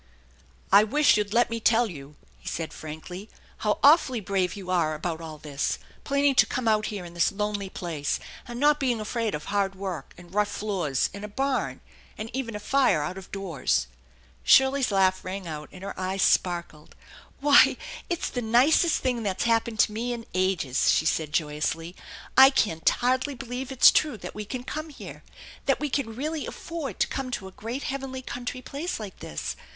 " I wish you'd let me tell you," he said frankly, " how awfully brave you are about all this, planning to come out here in this lonely place, and not being afraid of hard work, and rough floors, and a barn, and even a fire out of doors." Shirley's laugh rang out, and her eyes sparkled. "Why, it's the nicest thing that's happened to me in ages," she said joyously. "I can't hardly believe it's true that we can come here, that we can really afford to come to a great, heavenly country place like this.